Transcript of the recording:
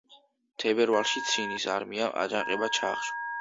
თებერვალში ცინის არმიამ აჯანყება ჩაახშო.